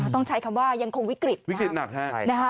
ต้องใช้คำว่ายังคงวิกฤตนะฮะ